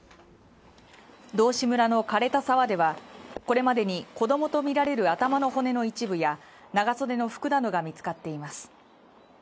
道志村の枯れた沢ではこれまでに子どもと見られる頭の骨の一部や長袖の服などが見つかっています